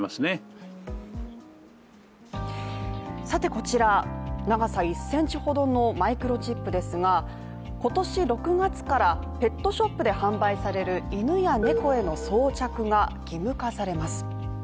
さてこちら、長さ１センチほどのマイクロチップですが、今年６月から、ペットショップで販売される犬や猫への装着が義務化されます。